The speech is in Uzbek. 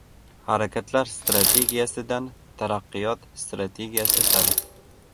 Harakatlar strategiyasidan – Taraqqiyot strategiyasi sari